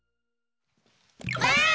ばあっ！